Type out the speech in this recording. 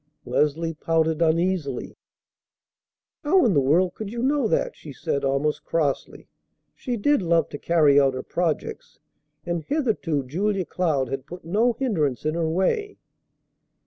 Leslie pouted uneasily. "How in the world could you know that?" she said almost crossly. She did love to carry out her projects, and hitherto Julia Cloud had put no hindrance in her way.